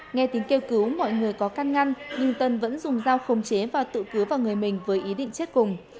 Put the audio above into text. nghe tiếng kêu cứu mọi người có căn ngăn nhưng tân vẫn dùng dao không chế và tự cứu vào người mình với ý định chết cùng